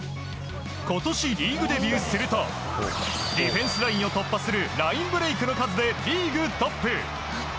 今年リーグデビューするとディフェンスラインを突破するラインブレークの数でリーグトップ。